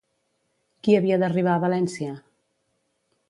Qui havia d'arribar a València?